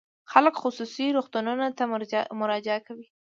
خلک خصوصي روغتونونو ته مراجعه کوي.